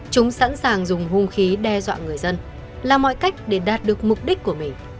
chúng sẵn sàng dùng hung khí đe dọa người dân là mọi cách để đạt được mục đích của mình